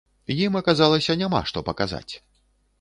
Ім аказалася няма што паказаць.